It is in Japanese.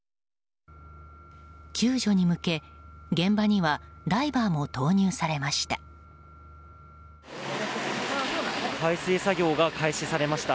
救助に向け現場にはダイバーも投入されました。